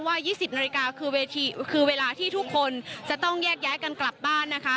ว่า๒๐นาฬิกาคือเวลาที่ทุกคนจะต้องแยกย้ายกันกลับบ้าน